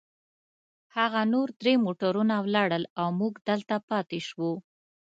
هغه نور درې موټرونه ولاړل، او موږ دلته پاتې شوو.